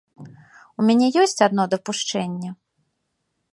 У мяне ёсць адно дапушчэнне.